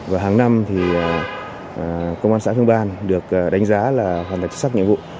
và hàng năm thì công an xã phương ban được đánh giá là hoàn thành xuất sắc nhiệm vụ